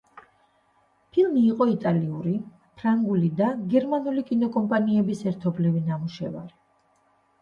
ფილმი იყო იტალიური, ფრანგული და გერმანული კინოკომპანიების ერთობლივი ნამუშევარი.